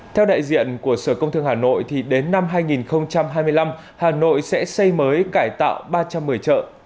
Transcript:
theo đại diện của sở công thương hà nội đến năm hai nghìn hai mươi năm hà nội sẽ xây mới cải tạo ba trăm một mươi chợ